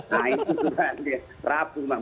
nah ini sudah rapuh